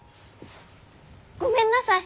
ごめんなさい！